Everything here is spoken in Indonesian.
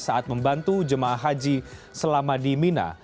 saat membantu jemaah haji selama di mina